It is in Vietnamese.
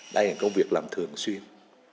đây là công việc làm thường xuyên